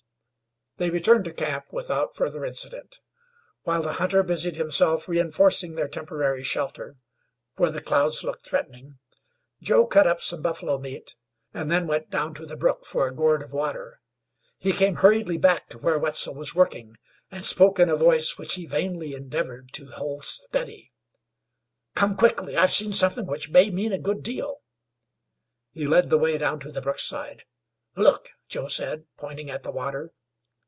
They returned to camp without further incident. While the hunter busied himself reinforcing their temporary shelter for the clouds looked threatening Joe cut up some buffalo meat, and then went down to the brook for a gourd of water. He came hurriedly back to where Wetzel was working, and spoke in a voice which he vainly endeavors to hold steady: "Come quickly. I have seen something which may mean a good deal." He led the way down to the brookside. "Look!" Joe said, pointing at the water.